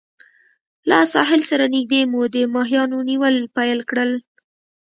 له ساحل سره نږدې مو د ماهیانو نیول پیل کړل.